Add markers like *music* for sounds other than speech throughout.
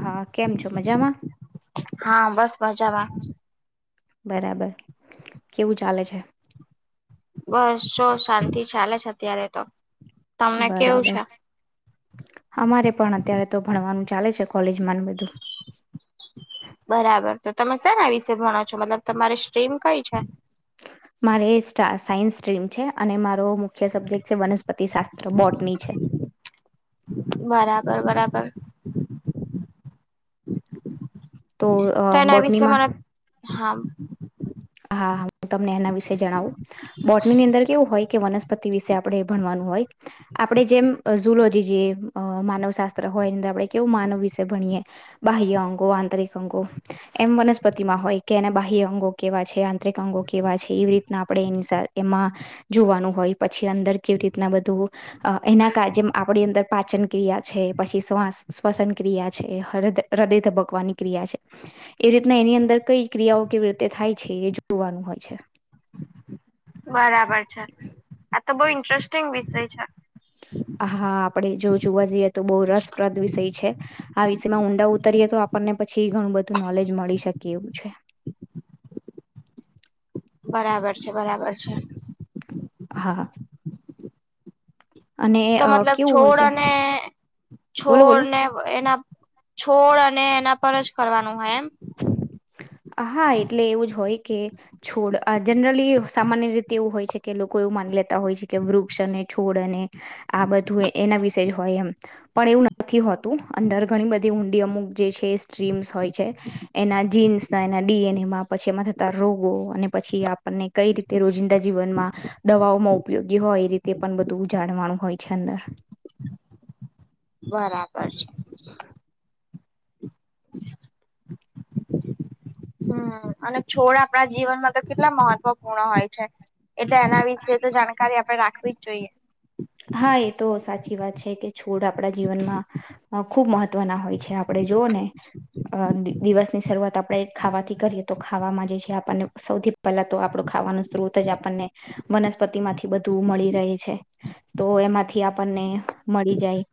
હા કેમ છો? મજામાં. હા બસ મજામાં. બરાબર કેવું ચાલે છે? બસ શાંતિ ચાલે છે અત્યારે તો. તમને કેવું બરાબર છે? અમારે પણ અત્યારે તો ભણવાનું ચાલે છે કોલેજમાં ન બધું. બરાબર તો તમે શેના વિશે ભણો છો મતલબ તમારી સ્ટ્રીમ કઈ છે? મારે એ સ્ટા સાયન્સ સ્ટ્રીમ છે અને મારો મુખ્ય સબ્જેક્ટ છે વનસ્પતિ શાસ્ત્ર બોટની છે. બરાબર બરાબર. અ તો એના વિશે બોટનીમાં મને હામ. હા હું તમને એના વિશે જણાવું *unintelligible* અંદર કેવું હોય કે વનસ્પતિ વિશે આપણે એ ભણવાનું હોય આપણે જેમ ઝુલોજી જે માનવ શાસ્ત્ર હોય એની અંદર આપણે કેવું માનવ વિશે ભણીએ બાહ્ય અંગો આંતરિક અંગો એમ વનસ્પતિમાં હોય કે એને બાહ્ય અંગો કેવા છે આંતરિક અંગો કેવા છે એવી રીત ના આપેડે એમાં જોવાનું હોય પછી અંદર કેવી રીતના બધું અ એના *unintelligible* આપણી અંદર પાચન ક્રિયા છે પછી શ્વાસ શ્વસન ક્રિયા છે હ્રદય ધબકવાની ક્રિયા છે. એ રીતના એની અંદર કઈ ક્રિયાઓ કેવી રીતે થાય છે એ જોવાનું હોય છે. બરાબર છે આ તો બઉ ઇન્ટરેસ્ટિંગ વિષય છે. હા આપડે જો જોવા જઈએ તો બહુ રસપ્રદ વિષય છે. આ વિષયમાં ઊંડા ઉતરીએ તો આપણને પછી ઘણું બધું નોલેજ મળી શકે એવું છે. બરાબર છે બરાબર છે. હા અને તો અ મતલબ કેવું હોય છોડ છે અને બોલો બોલો છોડને એના છોડ અને એના પર જ કરવાનું હોય એમ હા એટલે એવું જ હોય કે છોડ આ જનરલી સામાન્ય રીતે એવું હોય છે કે લોકો એવું માની લેતા હોય છે કે વૃક્ષ અને છોડ અને આ બધું એના વિશે જ હોય એમ પણ એવું નથી હોતું અંદર ઘણી બધી ઊંડી અમુક જે છે સ્ટ્રીમ્સ હોય છે. એના જીન્સના એના ડીએનેએમાં પછી એમાં થતા રોગો અને પછી આપણને કઈ રીતે રોજિંદા જીવનમાં દવાઓમાં ઉપયોગી હોય એ રીતે પણ બધું જાણવાનું હોય છે અંદર બરાબર છે. *inaudible* હમ્મ અને છોડ આપણા જીવનમાં તો કેટલા મહત્વપૂર્ણ હોય છે. એટલે એના વિશે તો જાણકારી આપડે રાખવી જ જોઈએ હા એતો સાચી વાત છે કે છોડ આપણા જીવનમાં ખૂબ મહ ત્વના હોય છે આપડે જોવો ને અ દિવસની શરૂઆત આપણે ખાવાથી કરીએ તો ખાવામાં જે *unintelligible* આપણને સૌથી પેલા તો આપડું ખાવાનો સ્ત્રોત જ આપણને વનસ્પતિ માંથી બધું મળી રહે છે. તો એમાંથી આપણને મળી જાય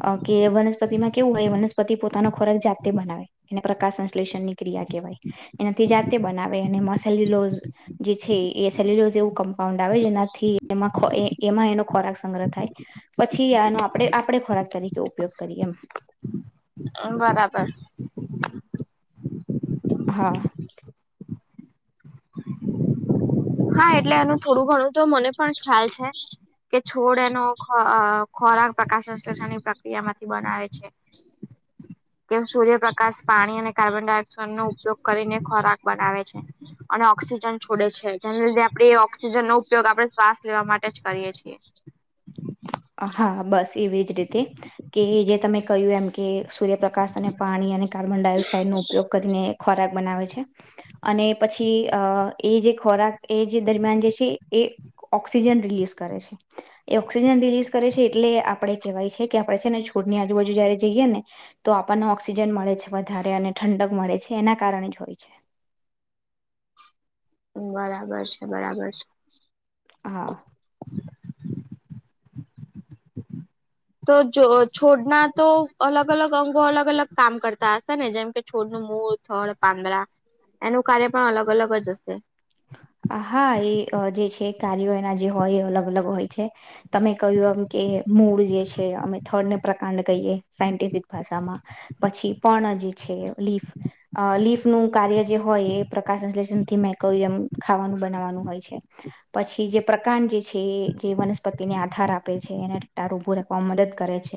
અ કે વનસ્પતિમાં કેવું હોય વનસ્પતિ પોતાનો ખોરાક જાતે બનાવે ને પ્રકાશ સંશ્લેષણની ક્રિયા કેવાય એનાથી જાતે બનાવે અને મોસેલ્યુલોઝ જે છે એ સેલ્યુલોઝ એવું કમ્પાઉન્ડ આવે જેનાથી એમાં એમાં એનો ખોરાક સંગ્રહ થાય પછી આનો આપણે આપણે ખોરાક તરીકે ઉપયોગ કરીએ એમ બરાબર હા હા એટલે એનું થોડું ઘણું તો મને પણ ખ્યાલ છે. કે છોડ એનો ખોરાક પ્રકાશ સંશ્લેષણની પ્રક્રિયામાંથી બનાવે છે. *inaudible* તે સૂર્યપ્રકાશ પાણી અને કાર્બન ડાયોક્સાઇડનો ઉપયોગ કરીને ખોરાક બનાવે છે અને ઓક્સિજન છોડે છે. જેને લીધે આપણેે ઓક્સિજનનો ઉપયોગ આપડે શ્વાસ લેવા માટે જ કરીએ છીએ હા બસ એવી જ રીતે કે જે તમે કહ્યું એમ કે સૂર્યપ્રકાશ અને પાણી અને કાર્બન ડાયોક્સાઇડ નો ઉપયોગ કરીને ખોરાક બનાવે છે. અને પછી અ એ જે ખોરાક એ જે દરમિયાન જે છે એ ઓક્સિજન રિલીઝ કરે છે એ ઓક્સિજન રિલીઝ કરે છે એટલે આપડે કેહેવાય છે કે આપડે છેને છોડની આજુબાજુ જયારે જઈએને તો આપણને ઓક્સિજન મળે છે વધારે અને ઠંડક મળે છે એના કારણે જ હોય છે. બરાબર છે બરાબર છે. હા. તો જોઓ છોડના તો અલગ અલગ અંગો અલગ અલગ કામ કરતા હશેને જેમકે છોડનું મૂળ થળ પાંદડા એનું કાર્ય પણ અલગ અલગ જ હશે. હા એઅ જે છે કાર્યો એના જે હોય એ અલગ અલગ હોય છે. તમે કહ્યું એમ કે મૂળ જે છે અમે થર્ડને પ્રકાંડ કહીએ સાયન્ટિફિક ભાષામાં. પછી પણ અજી છે લીફ અ લીફ નું કાર્ય જે હોય એ પ્રકાશ સંશ્લેષણ થી મે કઈ એમ ખાવાનું બનાવાનું હોય છે. પછી જે પ્રકાંડ જે છે એ જે વનસ્પતિને આધાર આપે છે એને ટટાર ઊભું રાખવામાં મદદ કરે છે.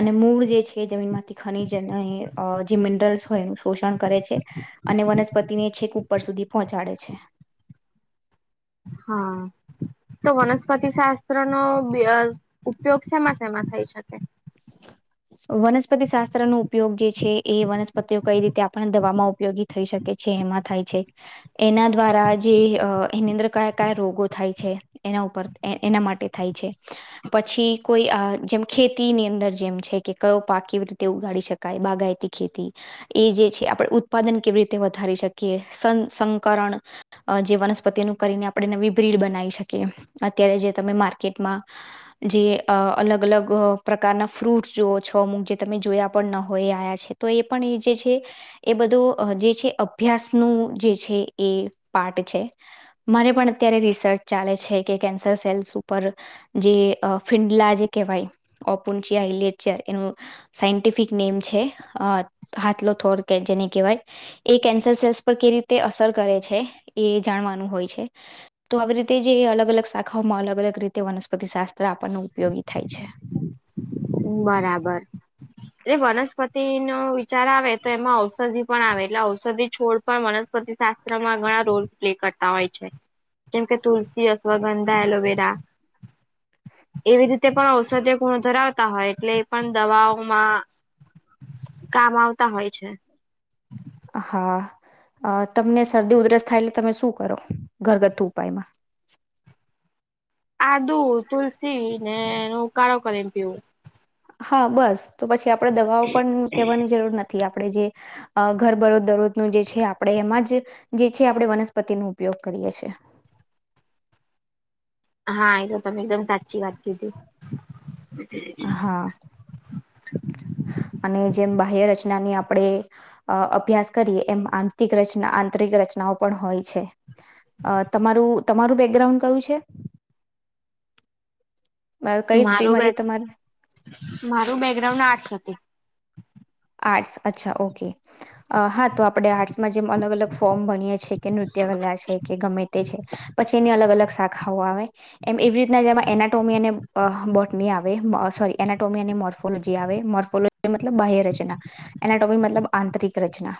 અને મૂળ જે છે જમીન માંથી ખનીજ અને અ જે મિનરલ્સ હોય શોષણ કરે છે. અને વનસ્પતિને છેક ઉપર સુધી પહોંચાડે છે. હા. તો વનસ્પતિ શાસ્ત્ર નો બેઅ ઉપયોગ સેમાં સેમાં થઈ શકે?. હ.. *inaudible* વનસ્પતિ શાસ્ત્ર નો ઉપયોગ જે છે એ વનસ્પતિઓ કઈ રીતે આપણને દવામાં ઉપયોગી થઈ શકે છે એમાં થાય છે. એના દ્વારા જે અ એની અંદર કયા કયા રોગો થાય છે. એના ઉપર એ એના માટે થાય છે પછી કોઈ આ જેમ ખેતીની અં દર જેમ છે કે કયો પાક કેવી રીતે ઉગાડી શકાય બાગાયતી ખેતી એ જે છે આપણે ઉત્પાદન કેવી રીતે વધારી શકીએ સં સંકરણ અ જે વનસ્પતિનું કરીને આપડે નવી બ્રિડ બનાવી શકીએ એમ અત્યારે જે તમે માર્કેટમાં જે અ અલગ અલગ અ પ્રક કારના ફ્રૂટ જોઓ છો અમુક જે તમે જોયા પણ ન હોય એ આયા છે તો એ પણ એ જે છે એ બધો અ જે છે અભ્યાસનું જે છે એ પાર્ટ છે. મારે પણ અત્યારે રિસર્ચ ચાલે છે કે કેન્સર સેલ્સ ઉપર જે અ ફિન્દલા જે કહેવાય ઓપુનચ્યા ઈલેચ્યા એનું સાયન્ટિફિક નેમ છે અ હાથલો થોર કે જેને કહેવાય એ કેન્સર સેલ્સ પર કે રીતે અસર કરે છે એ જાણવાનું હોય છે. તો આવી રીતે જે અલગ અલગ શાખાઓમાં અલગ અલગ રીતે વનસ્પતિ શાસ્ત્ર આપણનો ઉપયોગી થાય છે. બરાબર. એટલે વનસ્પતિનો વિચાર આવે તો એમાં ઔષધિ પણ આવે એટલે ઔષધિ છોડ પણ વનસ્પતિ શાસ્ત્રમાં ઘણા રોલ પ્લે કરતા હોય છે. જેમ કે તુલસી, અશ્વગંધા, એલોવેરા એવી રી તે પણ ઔષધ્ય ગુણ ધરા વતા હોય એટલે એ પણ દવાઓમાં કામ આવતા હોય છે. હા અ તમને શરદી ઉધરસ થાય એટલે તમે શું કરો ઘરગથ્થુ ઉપાયમાં? આદુ, તુલસીને એનો ઉકાળો કરીન પીવું. હા બસ તો પછી આપડે દવાઓ પન કહેવાની જરૂર નથી આપડે જે અ ઘર બરોજ દરોજનું જે છે આપડે એમાં જે જે છે આપડે વનસ્પતિનો ઉપયોગ કરીએ છીએ. હા એ તો તમે એકદમ સાચી વાત કીધી. હા અને જેમ બાહ્ય રચનાની આપણે... અ અભ્યાસ કરીએ એમ આંતરિક રચના આંતરિક રચનાઓ પણ હોય છે. અ તમારું તમારું બેકગ્રાઉન્ડ કયું છે? કઈ મારું સ્ટ્રીમમાંથી બેક તમારે મારુ બેકગ્રાઉન્ડ આર્ટસ હતી. આર્ટ્સ અચ્છા ઓકે અ હા તો આપણે આર્ટસ. માં જેમ અલગ અલગ ફોર્મ ભણીએ છીએ છે કે નૃત્ય કલા છે કે ગમે તે છે. પછી એની અલગ અલગ શાખાઓ આવે. એમ એવી રીતના જેમાં એનાટોમી અને અ બોટની આવે સોરી એનાટોમી અને મોર્ફોલોજી આવે મોર્ફોલો.... મતલબ બાહ્ય રચના. ચના. એનાટોમિ મતલબ આંતરિક રચના.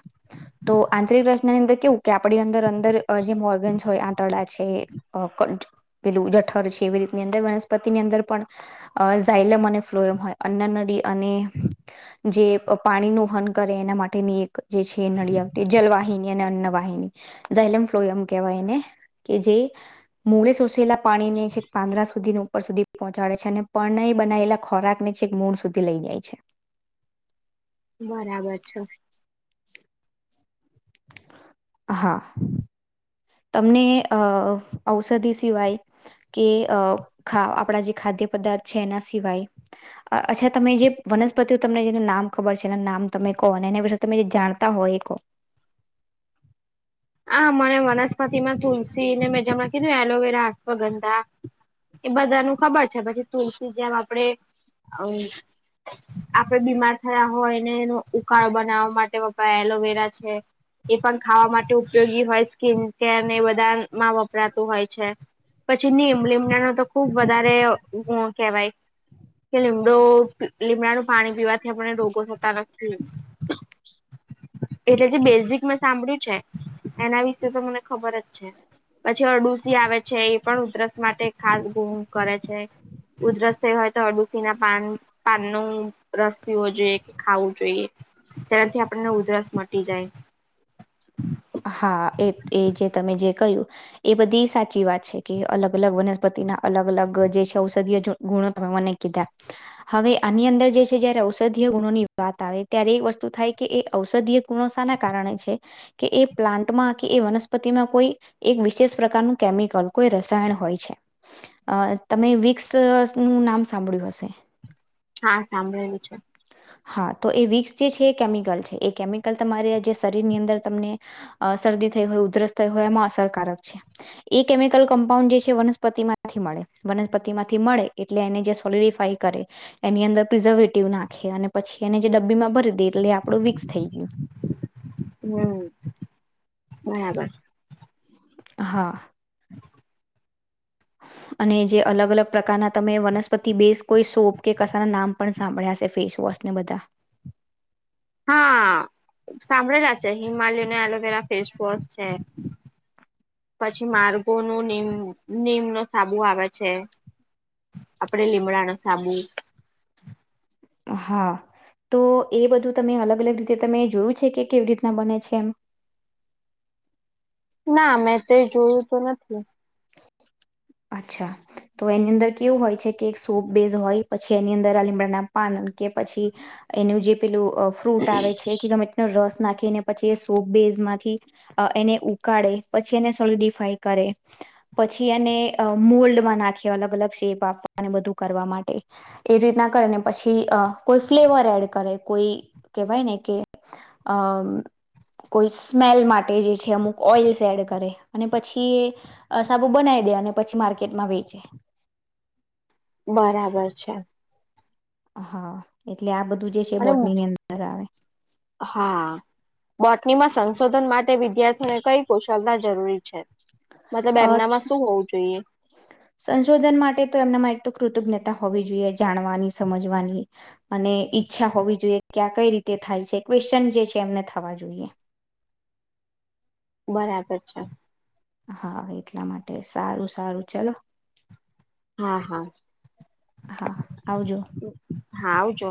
તો આંતરિક રચનાની અંદર કેવું કે આપણી અંદર અંદર જે મોર્ગન્સ હોય આંતરડા છે. અ ક પેલું જઠર છે એવી રીતની અંદર વનસ્પતિની અંદર પણ... અ ઝાયલેમ અને ફ્લોએમ હોય અન્ન નડી અને જે.... પાણીનું વહન કરે એના માટેની એક જે છે નળી આવતી જલવાહિની. એને અન્ન વાહિની ઝૈલમ્ફલોવાય કેવાય કે જે મૂળે શોષેલા... પાણી ને છેક પાંદરા સુધીને ઉપર સુધી... પહોંચાડે છે અને પણનેય બનાયલા ખોરાક ને છેક મૂળ સુધી લઇ જાય છે. બરાબર છે. હા. તમને અ ઔષધિ સિવાય.... કે અ ખા આપણા જે ખાદ્ય પદાર્થ છે એના સિવાય... અચ્છા તમે જે વનસ્પતિઓ તમને જેનું નામ ખબર છે એના નામ તમે કહો ને એના વિશે તમે જાણતા હોય એ કહો. હા મને વનસ્પતિમાં તુલસી ને મેં જે અમણા કીધું ને એલોવેરા, અશ્વગંધા. એ બધા નું ખબર છે. પછી તુલસી જેમ આપડે અમ્મ... આપડે બીમાર થયા હોય ને એનો ઉકાળો બનાવવા માટે વપરાય એલોવેરા છે. એ પણ ખાવા માટે ઉપયોગી હોય સ્કીન કેર ને એ બધામાં વપરાતું હોય છે. પછી નીમ લીમડા નો તો ખુબ વધારે ગુણ કહેવાય. કે લીમડો લીમડાનું પાણી પીવાથી... *unintelligible* રોગોનું કારણ છે એજ એટલે જે બેઝિક મેં સાંભળ્યું છે. એના વિશે તો મને ખબર જ છે. પછી અરડુસી આવે છે, એ પણ ઉધરસ માટે *unintelligible* કરે છે ઉધરસ થઈ હોય તો અરડુસીના પાન... પાનનું રસ પીવો જોઈએ કે ખાવું જોઈએ. તેનાથી આપણને ઉધરસ મટી જાય. હા એ એ જે તમે જે.... કહ્યું. એ બધી સાચી વાત છે કે અલગ અલગ વનસ્પતિ ના અલગ અલગ જે છે ઔષધિય ગુણો તમે મને.... કીધા. હવે આની અંદર જે છે જયારે ઔષધીય ગુણોની વાત આવે ત્યારે એક વસ્તુ થાય કે એ ઔષધીય... ગુણો શાના કારણે છે કે એ પ્લાન્ટમાં કે એ વનસ્પતિમાં કોઈ... એક વિશેષ પ્રકારનું કેમિકલ કોઈ રસાયણ હોય છે. અ તમે વિક્સનું નામ સાંભળ્યું હશે. હા સાંભળ્યું છે. હા તો એ વિક્સ જે છે એ કેમિકલ છે. એ કેમિકલ તમારે જે શરીરની અંદર... તમને અ શરદી થઈ હોય ઉધરસ થઈ હોય એમાં અસરકારક છે. એ કેમિકલ કમ્પાઉન્ડ જે છે વનસ્પતિ માંથી જ મળે વનસ્પતિ માંથી મળે એટલે એને જે *unintelligible* કરે એની અંદર પ્રિઝર્વેટિવ નાખીએ અને પછી એને જે ડબ્બીમાં ભરી દઈએ એટલે આપણું વિક્સ થઈ ગયું. હમ્મ બરાબર હા અને જે અલગ અલગ પ્રકારના તમે વનસ્પતિ બેઝ કોઈ શોપ કે કશા ના નામ પણ સાંભળ્યાશે હશે ફેસવોશ ને બધા હા સાંભળેલા છે હિમાલયાનો એલોવેરા ફેસવોશ છે. પછી માર્ગોનું નીમનું નીમ નો સાબુ આવે છે. આપડે લીમડાનો સાબુ હા તો એ બધું તમે અલગ અલગ રીતે તમે જોયું છે કે કેવી રીતના બને છે એમ ના મેં તે એ જોયું તો નથી. અચ્છા તો એની અંદર કેવું હોય છે કે એક સોપ બેઝ હોય પછી એની અંદર આ લીમડાના પાન કે પછી એનું જે પેલું અ ફ્રૂટ આવે છે કે ગમે તેનો રસ નાખીને પછી એ સોપ બેઝ માંથી અ એને ઉકાળે પછી એને સોલડીફાય કરે પછી એને મોલ્ડમાં નાખી અલગ અલગ શેપ આપવા અને બધું કરવા માટે એવી રીતના કરે ને પછી અ કોઈ ફ્લેવર એડ કરે કોઈ કેહેવાય ને કે અમ કોઈ સ્મેલ માટે જે છે અમુક ઓઈલ્સ એડ કરે અને પછી એ અ સાબુ બનાવી દેવાનું અને પછી માર્કેટમાં વેચે બરાબર છે. હા એટલે આ બધું જે છે અને બોટની ની અંદર આવે હા બોટનીમાં સંશોધન માટે વિદ્યાર્થીઓને કઈ કુશળતા જરૂરી છે મતલબ અ એમનામાં શું હોવું જોઈએ સંશોધન માટે તો એમનામાં એક તો કૃતજ્ઞતા હોવી જોઈએ જાણવાની સમજવાની અને ઈચ્છા હોવી જોઈએ કે આ કઈ રીતે થાય છે ક્વેશ્ચન જે છે એમને થવા જોઈએ બરાબર છે હા એટલા માટે સારું સારું ચલો હા હા હા આવજો હા આવજો